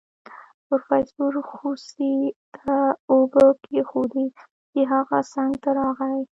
پروفيسر خوسي ته اوبه کېښودې د هغه څنګ ته راغی.